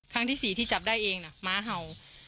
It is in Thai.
ที่๔ที่จับได้เองนะม้าเห่า